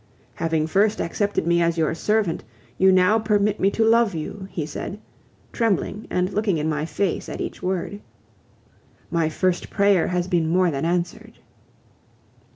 "Having first accepted me as your servant, you now permit me to love you," he said, trembling and looking in my face at each word. "My first prayer has been more than answered."